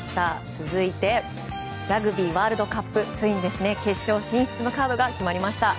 続いて、ラグビーワールドカップついに決勝進出のカードが決まりました。